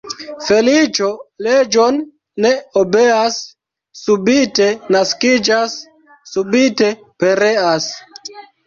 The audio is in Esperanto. Feliĉo leĝon ne obeas, subite naskiĝas, subite pereas.